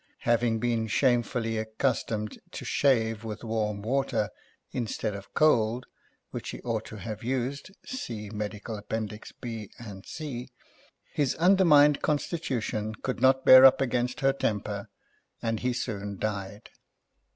Having been shamefully accustomed to shave with warm water instead of cold, which he ought to have used (see Medical Appendix B. and C), his undermined constitution could not bear up against her temper, and he soon died.